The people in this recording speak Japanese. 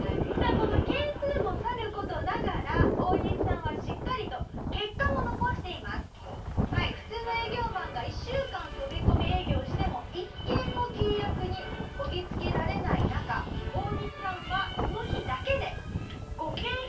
この件数もさる事ながらオオニシさんはしっかりとはい普通の営業マンが１週間飛び込み営業しても１件も契約にこぎ着けられない中オオニシさんは。